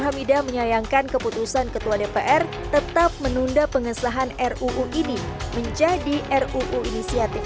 hamidah menyayangkan keputusan ketua dpr tetap menunda pengesahan ruu ini menjadi ruu inisiatif